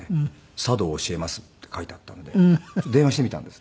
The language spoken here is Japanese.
「茶道教えます」って書いてあったんで電話してみたんです。